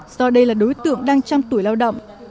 do đây là đối tượng đang trăm tuổi lao động